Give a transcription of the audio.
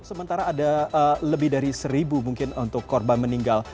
sementara ada lebih dari seribu mungkin untuk korban meninggal